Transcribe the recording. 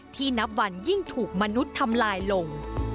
นับวันยิ่งถูกมนุษย์ทำลายลง